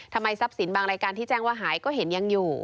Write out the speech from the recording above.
ทำไมทรัพย์สินบางรายการที่แจ้งว่าหายก็เห็นยังอยู่